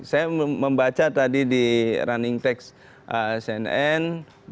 saya membaca tadi di running text cnn